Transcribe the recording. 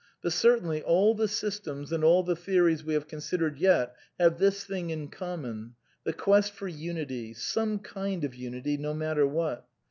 But certainly all the systems and all the theories we have considered yet have this thing in common — the quest for unity, some kind of"\^ unity, no matter what.